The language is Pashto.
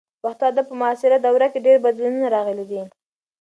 د پښتو ادب په معاصره دوره کې ډېر بدلونونه راغلي دي.